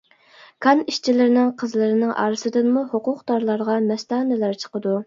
-كان ئىشچىلىرىنىڭ قىزلىرىنىڭ ئارىسىدىنمۇ ھوقۇقدارلارغا مەستانىلەر چىقىدۇ.